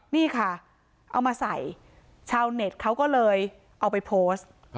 นี่ค่ะเอามาใส่ชาวเน็ตเขาก็เลยเอาไปโพสต์